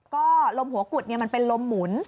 ก็ลมหัวกุดมันเป็นลมหมุน